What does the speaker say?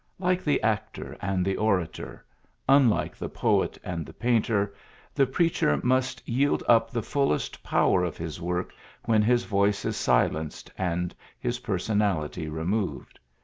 Like the actor and the orator, unlike the poet and the painter, the preacher must yield up the fullest power of his work when his voice is silenced and his personality removed.